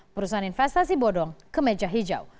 perusahaan investasi bodong kemeja hijau